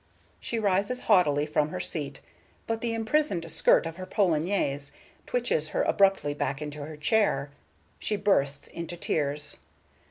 She rises haughtily from her seat, but the imprisoned skirt of her polonaise twitches her abruptly back into her chair. She bursts into tears.